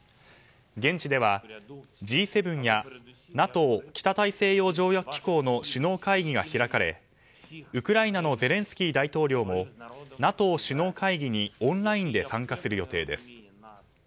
現地ではＧ７やＮＡＴＯ・北大西洋条約機構の首脳会議が開かれ、ウクライナのゼレンスキー大統領もＮＡＴＯ首脳会議にオンラインで参加する予定です。